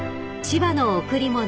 ［『千葉の贈り物』］